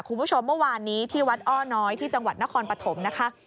คุณผู้ชมเมื่อวานนี้ที่วัดอ้อน้อยที่จังหวัดนครปฐมนะคะ